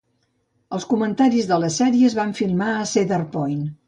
Els comentaris de la sèrie es van filmar a Cedar Point.